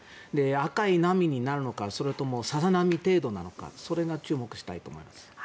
赤い波になるのかそれとも、さざ波程度なのかそれに注目したいと思います。